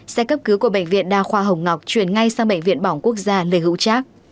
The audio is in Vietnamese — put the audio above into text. xe cấp cứu của bệnh viện đa khoa hồng ngọc chuyển ngay sang bệnh viện bỏng quốc gia lê hữu trác